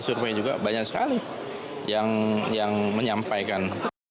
survei juga banyak sekali yang menyampaikan